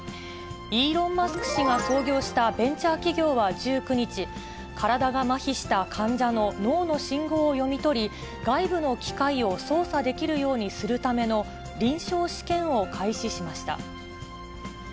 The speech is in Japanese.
イーロン・マスク氏が創業したベンチャー企業は１９日、体がまひした患者の脳の信号を読み取り、外部の機械を操作できるようにするための臨床試験を開始しました。